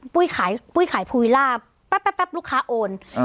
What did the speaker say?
ปุ้ยขายปุ้ยขายภูมิล่าลูกค้าโอนอืม